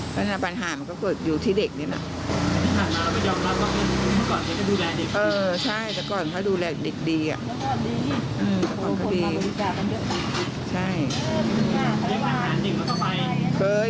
เพราะฉะนั้นปัญหามันก็ควรอยู่ที่เด็กนิดหน่อย